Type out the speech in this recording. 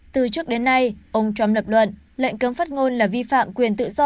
từ trước đến nay ông trump lập luận lệnh cấm phát ngôn là vi phạm quyền tự do